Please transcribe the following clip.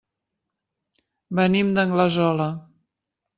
Venim d'Anglesola.